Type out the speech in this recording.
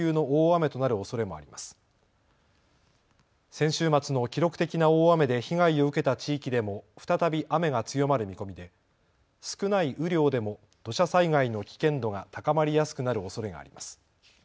先週末の記録的な大雨で被害を受けた地域でも再び雨が強まる見込みで少ない雨量でも土砂災害の危険度が高まりやすくなるおそれがあります。